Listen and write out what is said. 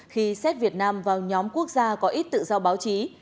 khi xét việt nam vào nhóm quốc gia có ít tự do báo chí